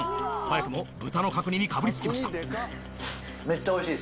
早くも豚の角煮にかぶりつきました。